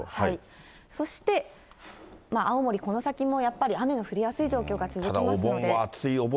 そして、青森、この先もやっぱり雨の降りやすい状況が続きますので。